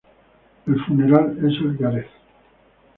El funeral es el de Gareth.